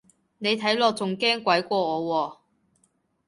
你睇落仲驚鬼過我喎